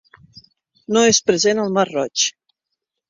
No és present al mar Roig.